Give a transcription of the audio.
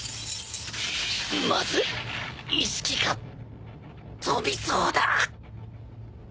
まずい意識が飛びそうだ